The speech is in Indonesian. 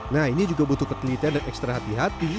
nah ini juga butuh ketelitian dan ekstra hati hati